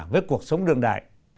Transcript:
với cuộc sống đương đại